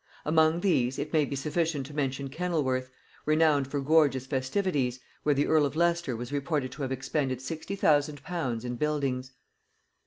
Among these it may be sufficient to mention Kennelworth, renowned for gorgeous festivities, where the earl of Leicester was reported to have expended 60,000 pounds in buildings.